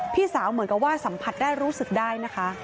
พี่สาวเหมือนกับว่าสัมผัสได้รู้สึกได้นะคะ